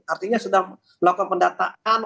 artinya sudah melakukan pendataan